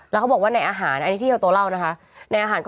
แล้วเค้าบอกว่าในอาหารนี้เหมือนถิ่นบาปชายหยาวโต้เหล้านะคะ